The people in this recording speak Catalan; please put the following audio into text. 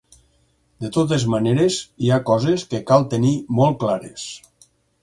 De totes maneres, hi ha coses que cal tenir molt clares.